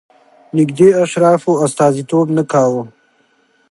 نږدې اشرافو استازیتوب نه کاوه.